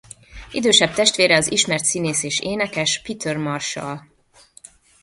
Idősebb testvére az ismert színész és énekes Peter Marshall.